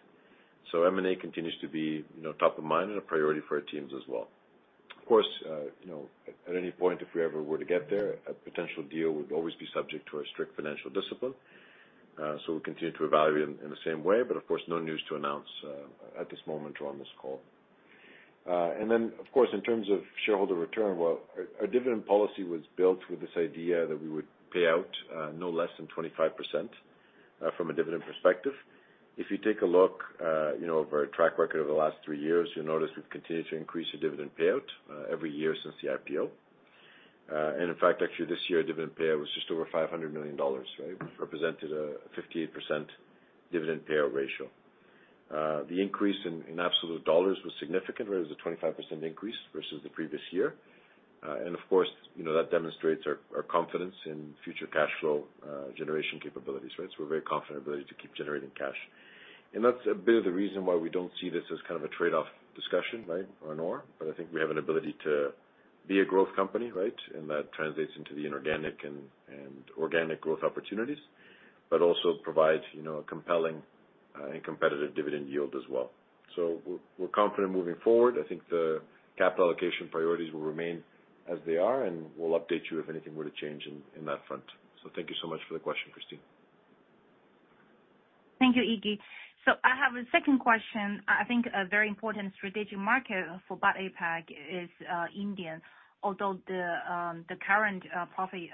S3: So M&A continues to be, you know, top of mind and a priority for our teams as well. Of course, you know, at, at any point, if we ever were to get there, a potential deal would always be subject to our strict financial discipline. So we'll continue to evaluate in the same way, but of course, no news to announce at this moment or on this call. And then, of course, in terms of shareholder return, well, our dividend policy was built with this idea that we would pay out no less than 25% from a dividend perspective. If you take a look, you know, over our track record over the last three years, you'll notice we've continued to increase the dividend payout every year since the IPO. And in fact, actually this year, our dividend payout was just over $500 million, right? Which represented a 58% dividend payout ratio. The increase in absolute dollars was significant. It was a 25% increase versus the previous year. And of course, you know, that demonstrates our, our confidence in future cash flow generation capabilities, right? So we're very confident in our ability to keep generating cash. And that's a bit of the reason why we don't see this as kind of a trade-off discussion, right, or/and or, but I think we have an ability to be a growth company, right? And that translates into the inorganic and, and organic growth opportunities, but also provides, you know, a compelling and competitive dividend yield as well. So we're confident moving forward. I think the capital allocation priorities will remain as they are, and we'll update you if anything were to change in that front. So thank you so much for the question, Christine.
S9: Thank you, Iggy. I have a second question. I think a very important strategic market for Bud APAC is India, although the current profit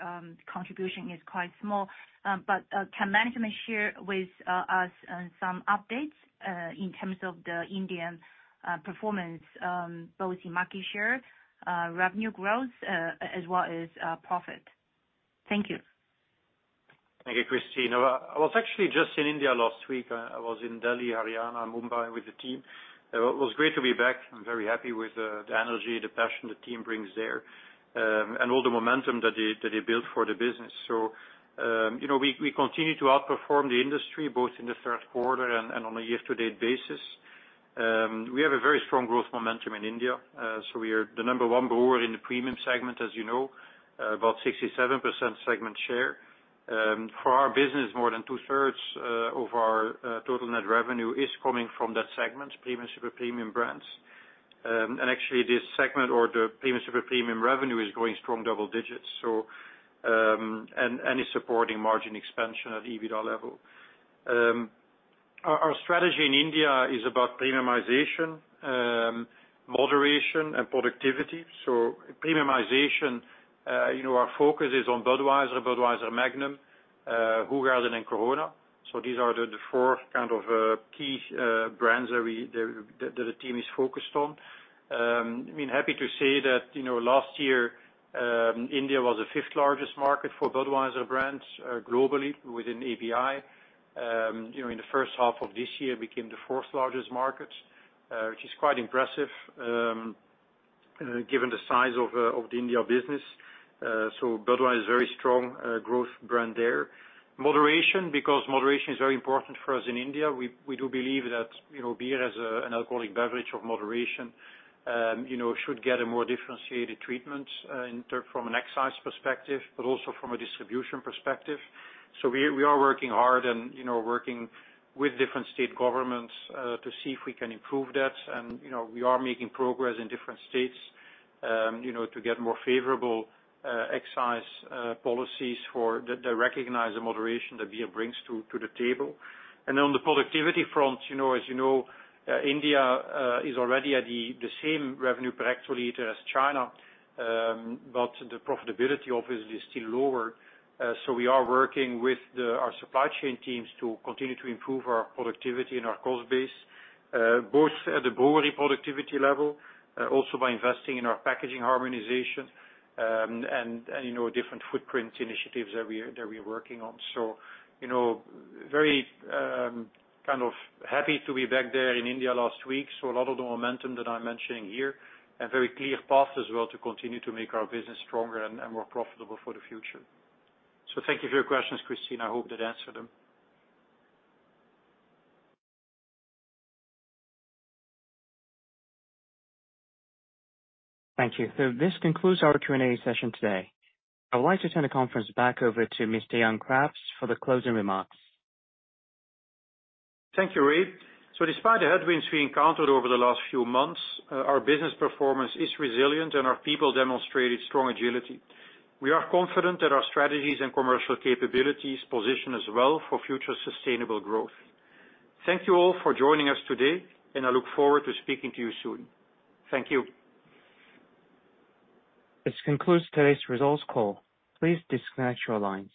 S9: contribution is quite small. Can management share with us some updates in terms of the Indian performance both in market share, revenue growth, as well as profit? Thank you.
S2: Thank you, Christine. I was actually just in India last week. I was in Delhi, Haryana, Mumbai with the team. It was great to be back. I'm very happy with the energy, the passion the team brings there, and all the momentum that they built for the business. So, you know, we continue to outperform the industry, both in the third quarter and on a year-to-date basis. We have a very strong growth momentum in India, so we are the number one grower in the premium segment, as you know, about 67% segment share. For our business, more than two-thirds of our total net revenue is coming from that segment, premium, super premium brands. And actually, this segment or the premium, super premium revenue is growing strong double digits. So, is supporting margin expansion at EBITDA level. Our strategy in India is about premiumization, moderation, and productivity. So premiumization, you know, our focus is on Budweiser, Budweiser Magnum, Hoegaarden, and Corona. So these are the four kind of key brands that the team is focused on. I mean, happy to say that, you know, last year, India was the fifth largest market for Budweiser brands, globally within ABI. You know, in the first half of this year, became the fourth largest market, which is quite impressive, given the size of the India business. So Budweiser is a very strong growth brand there. Moderation, because moderation is very important for us in India. We do believe that, you know, beer as an alcoholic beverage of moderation, you know, should get a more differentiated treatment in terms from an excise perspective, but also from a distribution perspective. So we are working hard and, you know, working with different state governments to see if we can improve that. And, you know, we are making progress in different states, you know, to get more favorable excise policies for that recognize the moderation that beer brings to the table. And on the productivity front, you know, as you know, India is already at the same revenue per hectoliter as China, but the profitability, obviously, is still lower. So we are working with our supply chain teams to continue to improve our productivity and our cost base, both at the brewery productivity level, also by investing in our packaging harmonization, and, you know, different footprint initiatives that we are working on. So, you know, very kind of happy to be back there in India last week. So a lot of the momentum that I'm mentioning here, and very clear path as well to continue to make our business stronger and more profitable for the future. So thank you for your questions, Christine. I hope that answered them.
S1: Thank you. So this concludes our Q&A session today. I would like to turn the conference back over to Mr. Jan Craps for the closing remarks.
S2: Thank you, Ray. Despite the headwinds we encountered over the last few months, our business performance is resilient, and our people demonstrated strong agility. We are confident that our strategies and commercial capabilities position us well for future sustainable growth. Thank you all for joining us today, and I look forward to speaking to you soon. Thank you.
S1: This concludes today's results call. Please disconnect your lines.